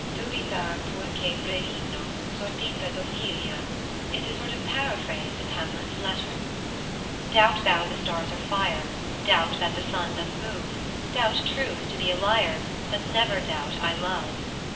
"Dubita pur che brillino (sortita d'Ophelia)" is a sort of paraphrase of Hamlet's letter: Doubt thou the stars are fire, Doubt that the sun doth move, Doubt truth to be a liar, But never doubt I love.